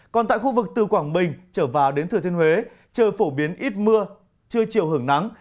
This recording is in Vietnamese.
còn tại khu vực từ quảng bình trở vào đến thừa thiên huế trời phổ biến ít mưa trưa chiều hưởng nắng